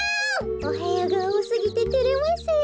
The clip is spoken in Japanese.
おへやがおおすぎててれますよ。